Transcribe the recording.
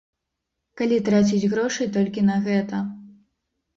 Калі траціць грошы толькі на гэта.